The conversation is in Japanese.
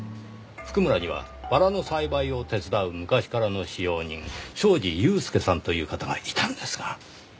譜久村にはバラの栽培を手伝う昔からの使用人小路祐介さんという方がいたんですが。